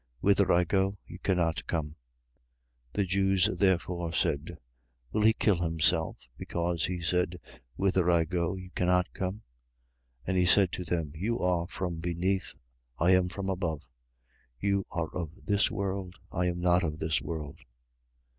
Whither I go, you cannot come. 8:22. The Jews therefore said: Will he kill himself, because he said: Whither I go you cannot come? 8:23. And he said to them: You are from beneath: I am from above. You are of this world: I am not of this world.